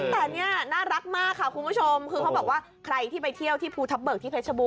แต่เนี่ยน่ารักมากค่ะคุณผู้ชม